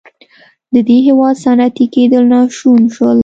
د دې هېواد صنعتي کېدل ناشون شول.